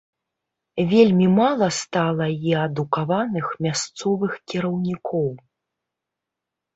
Вельмі мала стала і адукаваных мясцовых кіраўнікоў.